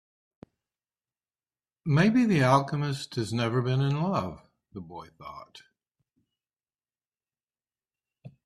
Maybe the alchemist has never been in love, the boy thought.